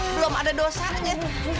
belum ada dosanya